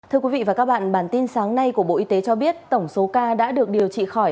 thưa quý vị và các bạn bản tin sáng nay của bộ y tế cho biết tổng số ca đã được điều trị khỏi